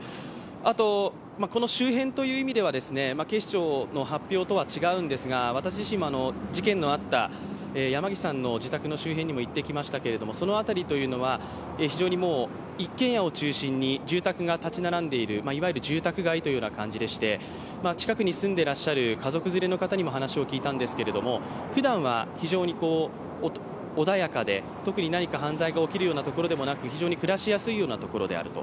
あと、この周辺という意味では、警視庁の発表とは違うんですが、私自身も事件のあった山岸さんの自宅の周辺にも行ってきましたけどその辺りというのは非常に一軒家を中心に住宅が立ち並んでいる、いわゆる住宅街という感じでして、近くに住んでいらっしゃる家族連れの方にも話を聞いたんですけれども、ふだんは非常に穏やかで特に何か犯罪が起きるようなところでもなく非常に暮らしやすいようなところであると。